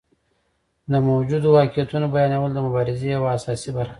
د موجودو واقعیتونو بیانول د مبارزې یوه اساسي برخه ده.